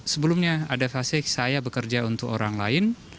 sebelumnya ada fase saya bekerja untuk orang lain